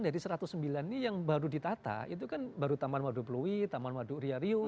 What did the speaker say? jadi satu ratus sembilan ini yang baru ditata itu kan baru taman waduk pluit taman waduk ria rio